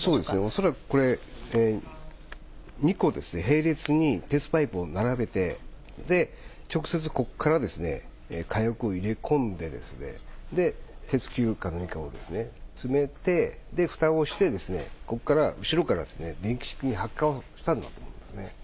恐らくこれ、２個ですね、並列に鉄パイプを並べて、直接ここから火薬を入れ込んで、鉄球か何かを詰めて、ふたをしてここから後ろから電気式に発火したんだと思いますね。